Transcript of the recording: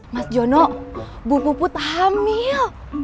mas jono bu put hamil